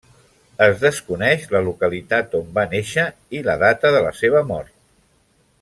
Es desconeix la localitat on va néixer i la data de la seva mort.